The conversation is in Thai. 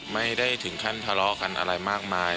ไม่ได้ถึงขั้นทะเลาะกันอะไรมากมาย